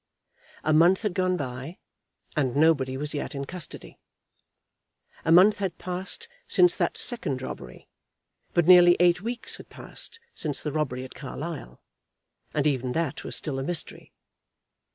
A month had gone by, and nobody was yet in custody. A month had passed since that second robbery; but nearly eight weeks had passed since the robbery at Carlisle, and even that was still a mystery.